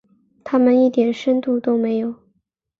他们一点深度都没有。